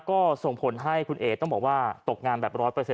ก็ส่งผลให้คุณเอ๋ต้องบอกว่าตกงานแบบร้อยเปอร์เซ็นต์